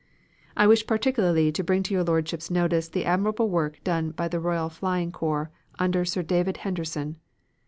"I wish particularly to bring to your Lordship's notice the admirable work done by the Royal Flying Corps under Sir David Henderson.